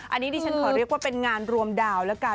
อันนี้ดิฉันขอเรียกว่าเป็นงานรวมดาวแล้วกัน